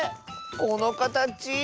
このかたち。